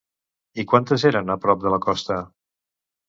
I quantes eren a prop de la costa?